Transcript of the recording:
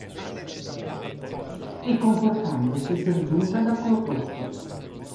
E comportandosi per giunta da corrotto.